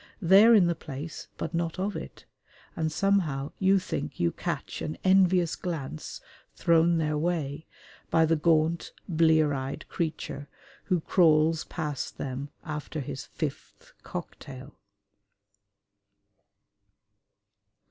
They are in the place but not of it, and somehow you think you catch an envious glance thrown their way by the gaunt, blear eyed creature who crawls past them after his fifth cocktail.